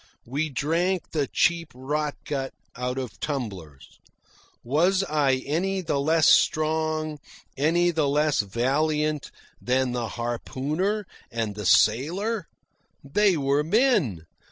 We drank the cheap rotgut out of tumblers. Was I any the less strong, any the less valiant, than the harpooner and the sailor? They were men.